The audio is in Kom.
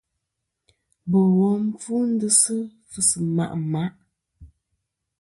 Bò wom fu ndzɨsɨ fɨsɨ ma màʼ.